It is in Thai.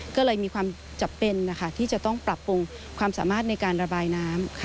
ก็เลยมีความจำเป็นนะคะที่จะต้องปรับปรุงความสามารถในการระบายน้ำ